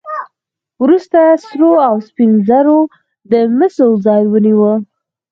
وروسته سرو او سپینو زرو د مسو ځای ونیو.